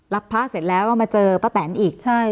รับพระเสร็จแล้วมาเจอพระแตนอีก